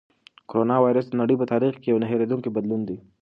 کرونا وېروس د نړۍ په تاریخ کې یو نه هېرېدونکی بدلون دی.